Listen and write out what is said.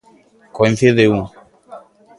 Coincide un.